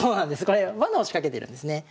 これわなを仕掛けてるんですね。